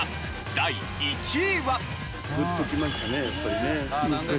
第１位は。